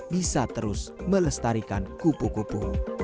bisa terus melestarikan kupu kupu